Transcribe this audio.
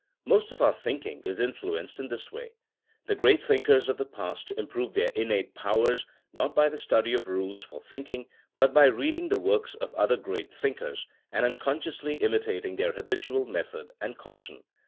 Most of our thinking is influenced in this way. The great thinkers of the past improved their innate powers not by the study of rules for thinking, but by reading the works of other great thinkers, and unconsciously imitating their habitual method and caution.